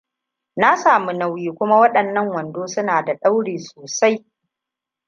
Na sami nauyi kuma waɗannan wando suna da ɗaure sosai.